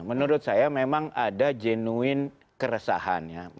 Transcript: menurut saya memang ada genuine keresahannya